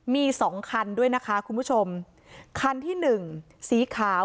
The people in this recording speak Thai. มีสองคันด้วยนะคะคุณผู้ชมคันที่หนึ่งสีขาว